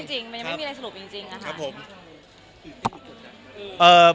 มันยังไม่มีอะไรสรุปจริง